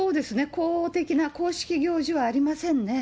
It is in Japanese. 公的な、公式行事はありませんね。